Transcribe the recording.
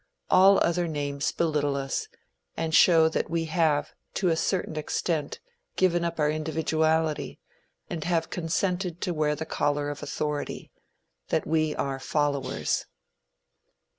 All other names belittle us, and show that we have, to a certain extent, given up our individuality, and have consented to wear the collar of authority that we are followers.